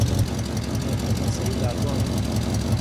مني تمي سھي لاگو ھين